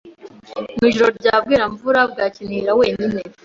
mujoro rya Bweramvura bwa Kinihira wenyine.